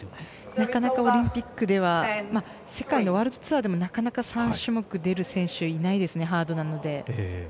なかなかオリンピックでは世界のワールドツアーでもなかなか３種目出る選手はいないですね、ハードなので。